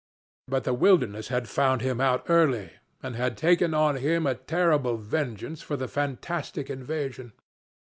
But the wilderness had found him out early, and had taken on him a terrible vengeance for the fantastic invasion.